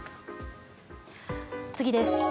次です。